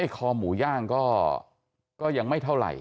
คอหมูย่างก็ยังไม่เท่าไหร่